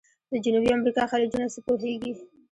د جنوبي امریکا خلیجونه څه پوهیږئ؟